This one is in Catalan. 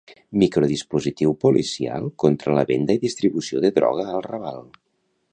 Microdispositiu policial contra la venda i distribució de droga al Raval.